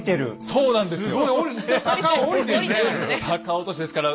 そうなんですよ。